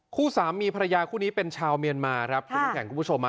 คู่สามีภรรยาคู่นี้เป็นชาวเมียนมาครับคุณผู้ชม